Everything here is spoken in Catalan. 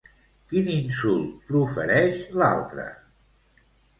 Quin insult profereix l'altra?